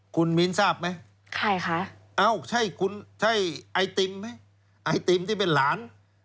คุณมีนท์ทราบไหมใช่ไอติมไหมไอติมที่เป็นหลาน